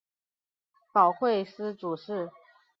保惠司主事。